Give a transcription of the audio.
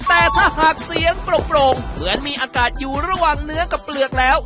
แต่ถ้าหากเสียงโปร่งเหมือนมีอากาศอยู่ระหว่างเนื้อกับเปลือกแล้ว